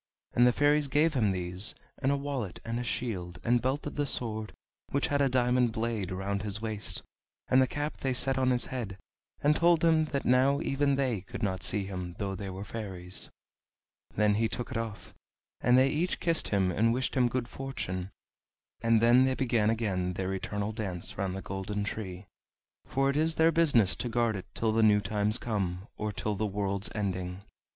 And the fairies gave him these, and a wallet, and a shield, and belted the sword, which had a diamond blade, round his waist, and the cap they set on his head, and told him that now even they could not see him though they were fairies. Then he took it off, and they each kissed him and wished him good fortune, and then they began again their eternal dance round the golden tree, for it is their business to guard it till the new times come, or till the world's ending.